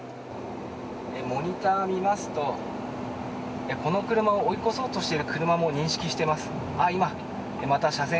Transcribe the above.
モニターを見ますと、この車を追い越そうとしている車も認識しています。